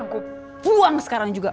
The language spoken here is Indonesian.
gua pulang sekarang juga